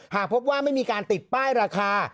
หากพบว่าไม่มีการติดป้ายราคา